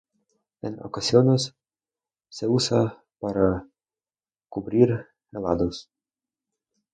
En ocasiones se usa para cubrir helados.